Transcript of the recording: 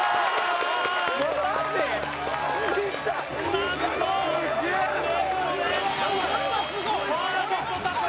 なんと目黒連、パーフェクト達成！